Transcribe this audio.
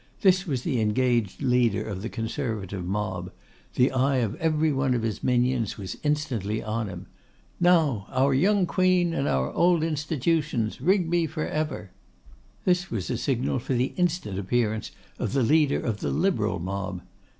This was the engaged leader of the Conservative mob; the eye of every one of his minions was instantly on him. 'Now! Our young Queen and our Old Institutions! Rigby for ever!' This was a signal for the instant appearance of the leader of the Liberal mob.